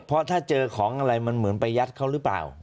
เพราะถ้าเจอของอะไรมันเหมือนไปยัดเขาหรือเปล่า